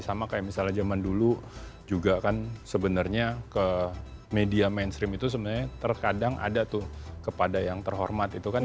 sama kayak misalnya zaman dulu juga kan sebenarnya ke media mainstream itu sebenarnya terkadang ada tuh kepada yang terhormat itu kan